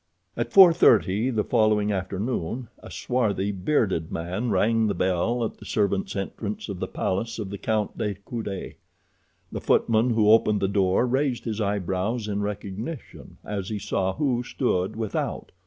At four thirty the following afternoon a swarthy, bearded man rang the bell at the servants' entrance of the palace of the Count de Coude. The footman who opened the door raised his eyebrows in recognition as he saw who stood without.